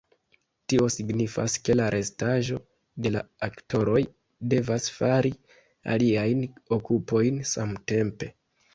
Tio signifas ke la restaĵo de la aktoroj devas fari aliajn okupojn samtempe.